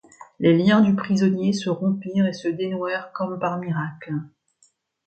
Les liens du prisonnier se rompirent et se dénouèrent comme par miracle.